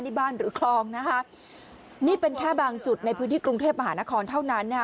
นี่บ้านหรือคลองนะคะนี่เป็นแค่บางจุดในพื้นที่กรุงเทพมหานครเท่านั้นนะฮะ